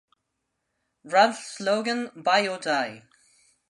Ralph's slogan Buy Or Die!